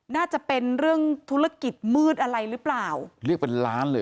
น่าจะเป็นเรื่องธุรกิจมืดอะไรหรือเปล่าเรียกเป็นล้านเลย